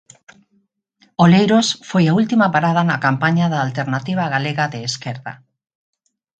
Oleiros foi a última parada na campaña da Alternativa Galega de Esquerda.